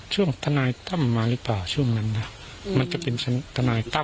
ทนายตั้มมาหรือเปล่าช่วงนั้นนะมันจะเป็นทนายตั้ม